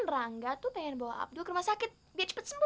enggak cuman rangga tuh pengen bawa abdul ke rumah sakit biar cepet sembuh